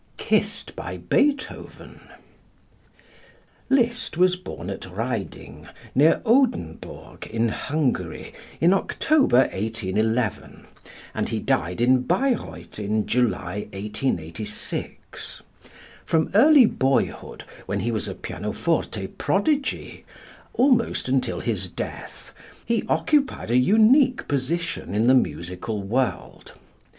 Kissed by Beethoven. Liszt was born at Raiding, near Odenburg in Hungary, in October, 1811, and he died in Bayreuth in July, 1886. From early boyhood, when he was a pianoforte prodigy, almost until his death, he occupied a unique position in the musical world.